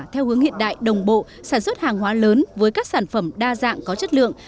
theo hướng hiện đại đồng bộ sản xuất hàng hóa lớn với các sản phẩm đa dạng có chất lượng